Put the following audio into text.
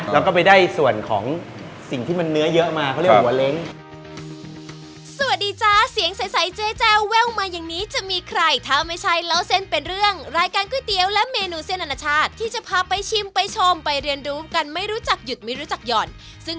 แล้วก็ไปได้ส่วนของสิ่งที่มันเนื้อเยอะมาเขาเรียกว่าหัวเล้ง